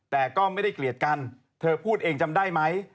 แต่ก็ไม่ได้เกลียดกันเธอพูดเองจำได้ไหม